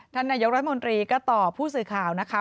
ท่านนายกรัฐมนตรีก็ตอบผู้สื่อข่าวนะคะ